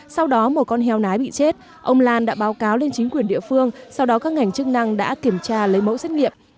sau đó một con heo nái bị chết ông lan đã báo cáo lên chính quyền địa phương sau đó các ngành chức năng đã kiểm tra lấy mẫu xét nghiệm